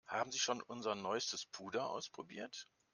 Haben Sie schon unser neuestes Puder ausprobiert?